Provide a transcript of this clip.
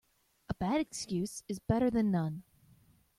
A bad excuse is better then none.